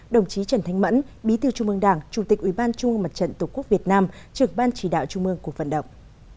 đồng chí trần thánh mẫn bí thư trung ương đảng chủ tịch ủy ban trung ương mặt trận tổ quốc việt nam trường ban chỉ đạo trung ương cuộc vận động